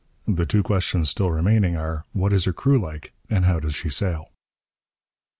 The two questions still remaining are: what is her crew like, and how does she sail?